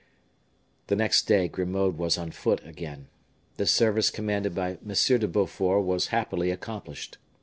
The next day Grimaud was on foot again. The service commanded by M. de Beaufort was happily accomplished.